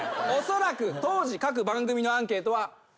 おそらく当時各番組のアンケートは。